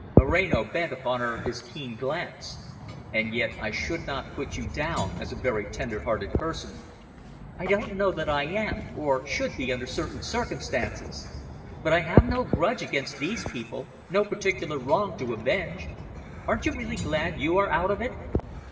Moreno bent upon her his keen glance. "And yet I should not put you down as a very tender hearted person." "I don't know that I am, or should be under certain circumstances. But I have no grudge against these people, no particular wrong to avenge. Aren't you really glad you are out of it?"